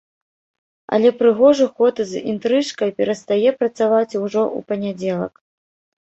Але прыгожы ход з інтрыжкай перастае працаваць ужо ў панядзелак.